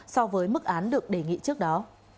so với mức án được đề nghị trước đó